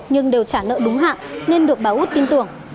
nhưng đều trả nợ đúng hạn nên được bà út tin tưởng